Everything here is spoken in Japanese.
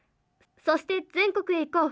そして全国へ行こう！